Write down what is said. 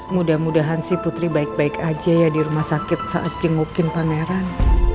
mudah mudahan sih putri baik baik aja ya di rumah sakit saat jengukin pangeran